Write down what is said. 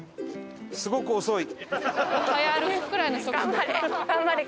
すごく遅い。